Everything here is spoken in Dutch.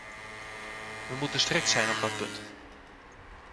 We moeten strikt zijn op dat punt.